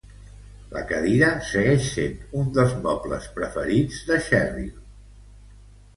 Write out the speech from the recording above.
La cadira segueix sent un dels mobles preferits de Cherrill.